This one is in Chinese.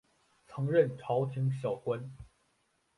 曾任朝廷小官。